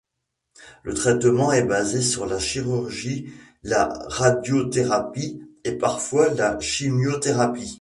Le traitement est basé sur la chirurgie, la radiothérapie et parfois la chimiothérapie.